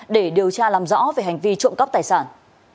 để điều tra làm rõ về hành vi trộm cắp tài sản